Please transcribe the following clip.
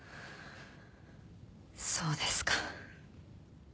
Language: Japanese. そうですか。